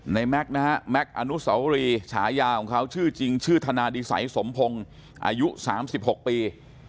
ในแม็กซ์แม็กซ์อนุสาวรีฉายาของเขาชื่อจริงชื่อธนาดีสัยสมพงศ์อายุสามสิบหกปี